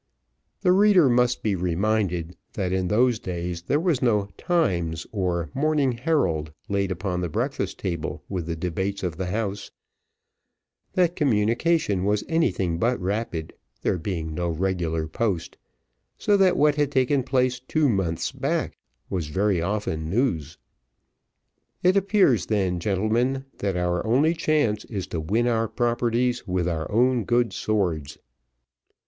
'" The reader must be reminded, that in those days, there was no Times or Morning Herald laid upon the breakfast table with the debates of the House that communication was anything but rapid, there being no regular post so that what had taken place two months back, was very often news. "It appears then, gentlemen, that our only chance is to win our properties with our own good swords."